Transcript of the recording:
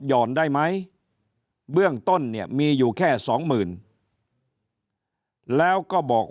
ได้ไหมเบื้องต้นเนี่ยมีอยู่แค่สองหมื่นแล้วก็บอก